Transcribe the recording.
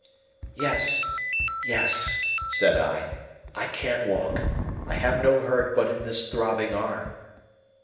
"Yes, yes," said I, "I can walk. I have no hurt but in this throbbing arm."